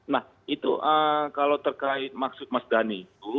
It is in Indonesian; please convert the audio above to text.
nah itu kalau terkait maksud mas dhani itu